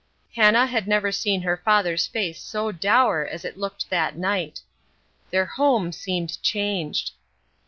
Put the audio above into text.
Hannah had never seen her father's face so dour as it looked that night. Their home seemed changed.